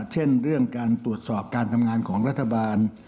เช่นเรื่องการตรวจสอบการทำงานของรัฐบาล